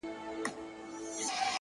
دا درې جامونـه پـه واوښـتـل.!